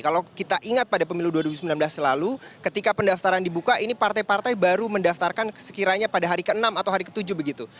kalau kita ingat pada pemilu dua ribu sembilan belas lalu ketika pendaftaran dibuka ini partai partai baru mendaftarkan sekiranya pada hari ke enam atau hari ke tujuh begitu